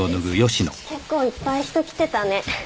結構いっぱい人来てたね。